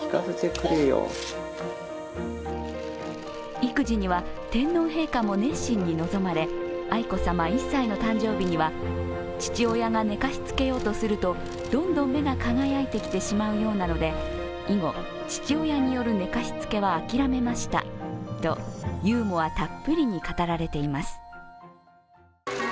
育児には天皇陛下も熱心に臨まれ愛子さま１歳の誕生日には父親が寝かしつけようとするとどんどん目が輝いてきてしまうようなので、以後、父親による寝かしつけは諦めましたとユーモアたっぷりに語られています。